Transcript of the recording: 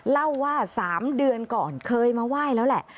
เล่าว่า๓เดือนก่อนเคยมาไหว้แล้วแหละ